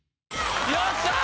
よっしゃー！